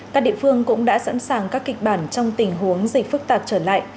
các địa phương cũng đã sẵn sàng các kịch bản trong tình huống dịch phức tạp trở lại